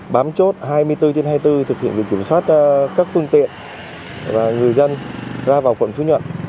bám chốt hai mươi bốn trên hai mươi bốn thực hiện việc kiểm soát các phương tiện và người dân ra vào quận phú nhuận